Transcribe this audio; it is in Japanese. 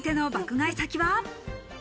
買い先は。